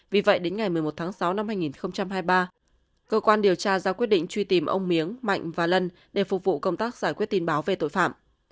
vì vậy đến ngày một mươi một tháng sáu năm hai nghìn hai mươi ba cơ quan điều tra ra quyết định truy tìm ông miếng mạnh và lân để phục vụ công tác giải quyết tin báo về tội phạm